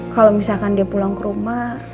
kalau misalkan dia pulang ke rumah